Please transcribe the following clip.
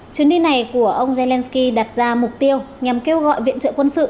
chuyến đi này của ông zelensky đặt ra mục tiêu nhằm kêu gọi viện trợ quân sự